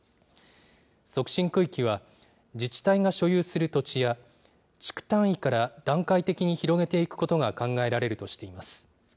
促進区域は、自治体が所有する土地や、地区単位から段階的に広げていくことが考えられるとしています。